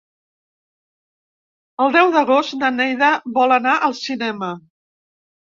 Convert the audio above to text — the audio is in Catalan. El deu d'agost na Neida vol anar al cinema.